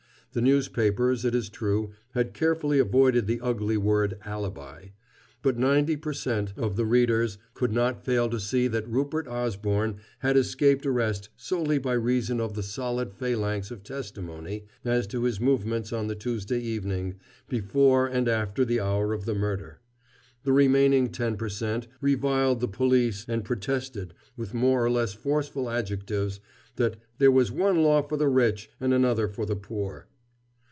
The newspapers, it is true, had carefully avoided the ugly word alibi; but ninety per cent. of their readers could not fail to see that Rupert Osborne had escaped arrest solely by reason of the solid phalanx of testimony as to his movements on the Tuesday evening before and after the hour of the murder; the remaining ten per cent. reviled the police, and protested, with more or less forceful adjectives, that "there was one law for the rich and another for the poor."